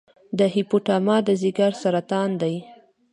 د هیپاټوما د ځګر سرطان دی.